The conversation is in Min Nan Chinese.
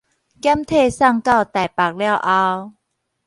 檢體送到台北了後